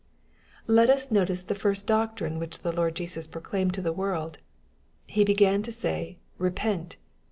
Let us notice the first doctrine which the Lord Jesua proclaimed to the world. He began to say " repent."